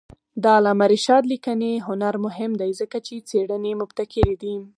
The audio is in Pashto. د علامه رشاد لیکنی هنر مهم دی ځکه چې څېړنې مبتکرې دي.